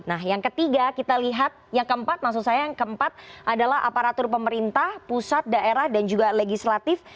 nah yang ketiga kita lihat yang keempat maksud saya yang keempat adalah aparatur pemerintah pusat daerah dan juga legislatif